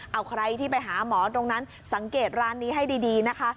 เอาใครที่ไปหาหมอตรงนั้นสังเกตร้านนี้ให้ดีนะคะ